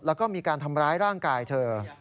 แล้วก็มีการทำร้ายร่างกายเธอ